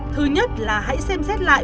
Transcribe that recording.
thứ nhất là hãy xem xét lại